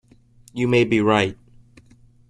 You may be right.